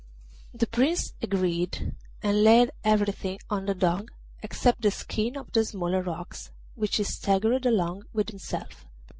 The Prince agreed, and laid everything on the Dog except the skin of the smaller ox, which he staggered along with himself.